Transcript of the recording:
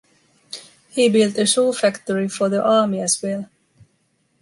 He built a shoe factory for the army as well.